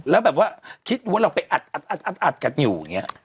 แล้วแบบว่าคิดดัวเราไปอัดงั้นอยู่